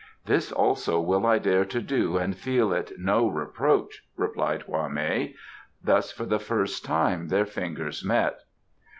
"This also will I dare to do and feel it no reproach," replied Hwa mei; thus for the first time their fingers met.